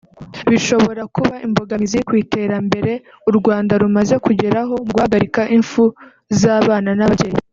bishobora kuba imbogamizi ku iterambere u Rwanda rumaze kugeraho mu guhagarika imfu z’abana n’ababyeyi